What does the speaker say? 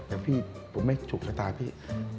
อย่างให้พี่ผมไม่ถูกชะตาพี่